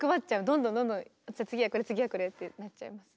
どんどんどんどん次はこれ次はこれってなっちゃいます。